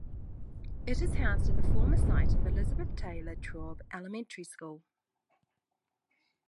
It is housed in the former site of Elizabeth Taylor Traub Elementary School.